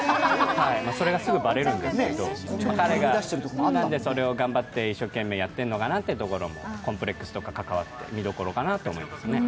それがすぐバレるんですけど、それを頑張って一生懸命やっているのかなというところも、コンプレックスとかも関わって見どころかなと思いますね。